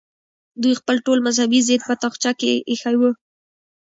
دوی خپل ټول مذهبي ضد په تاخچه کې ایښی وي.